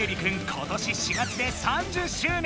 今年４月で３０周年。